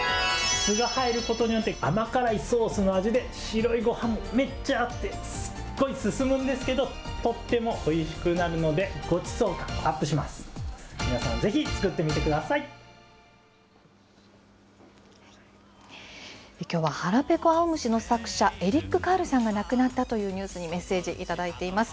酢が入ることによって、甘辛いソースの味で白いごはん、めっちゃ合ってすっごい進むんですけど、とってもおいしくなるので、きょうは、はらぺこあおむしの作者、エリック・カールさんが亡くなったというニュースにメッセージ頂いています。